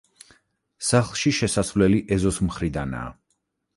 სახლში შესასვლელი ეზოს მხრიდანაა.